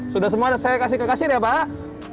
sudah semua saya kasih ke kasih ya pak